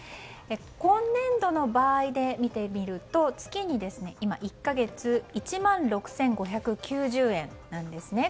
今年度の場合で見てみると１か月１万６５９０円なんですね。